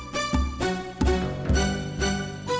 saya mau tahu